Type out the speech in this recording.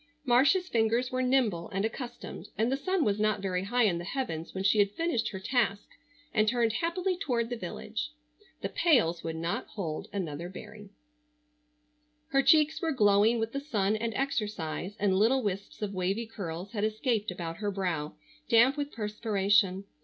Marcia's fingers were nimble and accustomed, and the sun was not very high in the heavens when she had finished her task and turned happily toward the village. The pails would not hold another berry. Her cheeks were glowing with the sun and exercise, and little wisps of wavy curls had escaped about her brow, damp with perspiration.